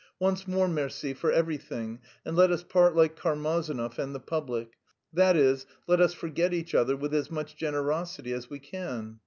Once more merci for everything, and let us part like Karmazinov and the public; that is, let us forget each other with as much generosity as we can.